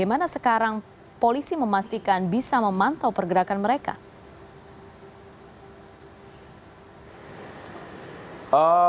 apa yang ada di dalam komunikasi itu